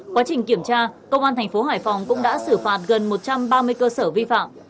quá trình kiểm tra công an thành phố hải phòng cũng đã xử phạt gần một trăm ba mươi cơ sở vi phạm